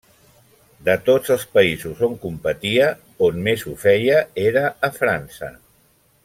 De tots els països on competia, on més ho feia era a França.